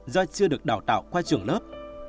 do chưa được đào tạo qua trường lớp